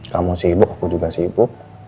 kamu sibuk aku juga sibuk